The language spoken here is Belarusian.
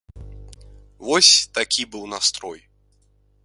Вось, такі быў настрой.